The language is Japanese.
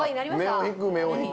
目を引く、目を引く。